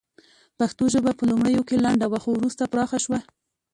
پښتو ژبه په لومړیو کې لنډه وه خو وروسته پراخه شوه